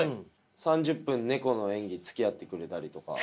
３０分ネコの演技つきあってくれたりとか。